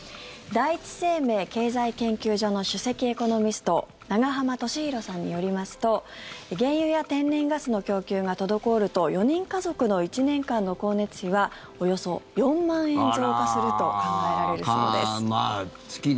第一生命経済研究所の首席エコノミスト永濱利廣さんによりますと原油や天然ガスの供給が滞ると４人家族の１年間の光熱費はおよそ４万円増加すると考えられるそうです。